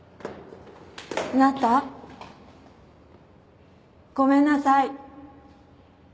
あなたごめんなさい。